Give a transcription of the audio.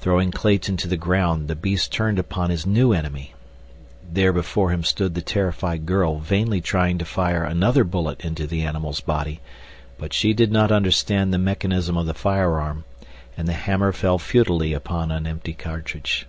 Throwing Clayton to the ground the beast turned upon his new enemy. There before him stood the terrified girl vainly trying to fire another bullet into the animal's body; but she did not understand the mechanism of the firearm, and the hammer fell futilely upon an empty cartridge.